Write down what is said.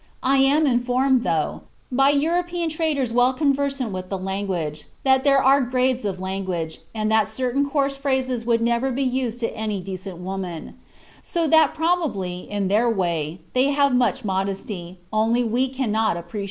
I am informed, though, by European traders well conversant with the language, that there are grades of language, and that certain coarse phrases would never be used to any decent woman; so that probably, in their way, they have much modesty, only we cannot appreciate it."